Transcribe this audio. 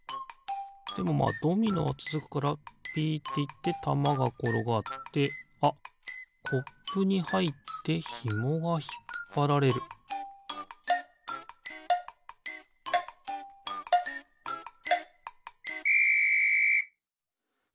でもまあドミノはつづくからピッていってたまがころがってあっコップにはいってひもがひっぱられるピッ！